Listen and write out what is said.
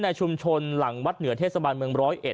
ในชุมชนหลังวัดเหนือเทศบาลเมืองร้อยเอ็